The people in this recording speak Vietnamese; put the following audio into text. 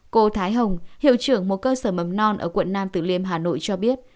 cô thái hồng hiệu trưởng một cơ sở mầm non ở quận nam tử liêm hà nội cho biết